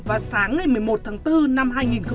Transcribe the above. vào sáng ngày một mươi một tháng bốn năm hai nghìn hai mươi